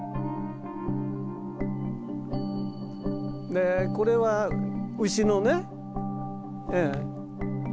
でこれは牛のねええ。